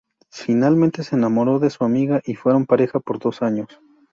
Finalmente se enamoró de su amiga y fueron pareja por dos años.